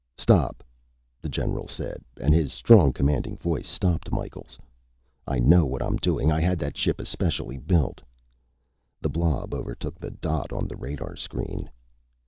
"Stop," the general said, and his strong, commanding voice stopped Micheals. "I know what I'm doing. I had that ship especially built." The blob overtook the dot on the radar screen.